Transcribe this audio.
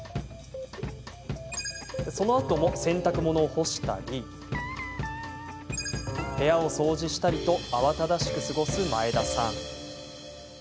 そのあとも洗濯物を干したり部屋を掃除したりと慌ただしく過ごす前田さん。